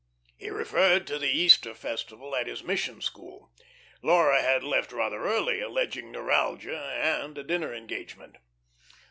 He referred to the Easter festival at his mission school. Laura had left rather early, alleging neuralgia and a dinner engagement.